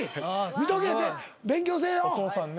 見とけ勉強せえよ。